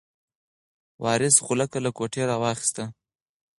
وارث غولکه له کوټې راواخیسته.